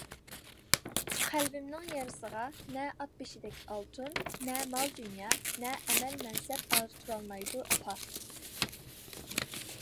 قەلبىمنىڭ يارىسىغا نە ئات بېشىدەك ئالتۇن، نە مال -دۇنيا، نە ئەمەل- مەنسەپ ئار تۇرالمايدۇ ئاپا.